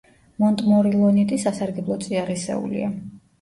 მონტმორილონიტი სასარგებლო წიაღისეულია.